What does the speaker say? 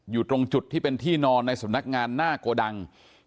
อยู่ตรงจุดที่เป็นที่นอนในสำนักงานหน้าโกดัง